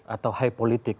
atau high politik